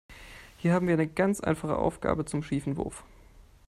Hier haben wir eine ganz einfache Aufgabe zum schiefen Wurf.